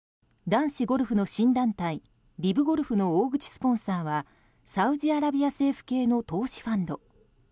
男子ゴルフの新団体リブゴルフの大口スポンサーはサウジアラビア政府系の投資ファンド。